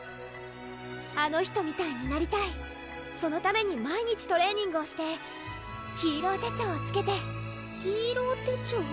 あの人みたいになりたいそのために毎日トレーニングをしてヒーロー手帳をつけてヒーロー手帳？